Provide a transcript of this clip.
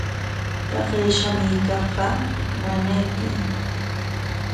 Taqay shamuykaqqa ñañaykim.